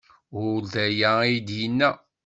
Ur d aya ay d-yenna.